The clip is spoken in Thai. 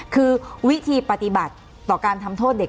คือวิธีปฏิบัติต่อการทำโทษเด็ก